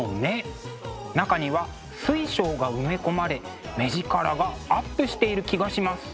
中には水晶が埋め込まれ目力がアップしている気がします。